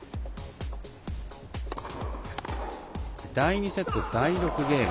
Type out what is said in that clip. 第２セット、第６ゲーム。